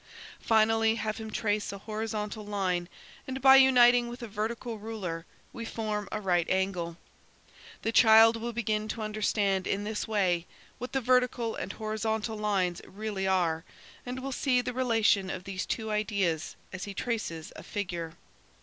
"Finally, have him trace a horizontal line, and by uniting with it a vertical ruler we form a right angle. The child will begin to understand, in this way, what the vertical and horizontal lines really are, and will see the relation of these two ideas as he traces a figure.